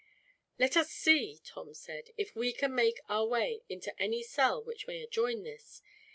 "Let us see," Tom said, "if we can make our way into any cell which may adjoin this.